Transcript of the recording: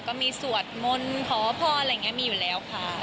ก็มีสวดมนต์ขอพรอะไรอย่างนี้มีอยู่แล้วค่ะ